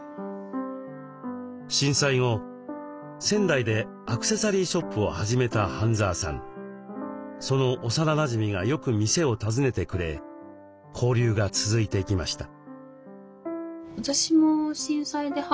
震災後仙台でアクセサリーショップを始めたその幼なじみがよく店を訪ねてくれ交流が続いていきました。